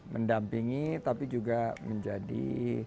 mendampingi tapi juga menjadi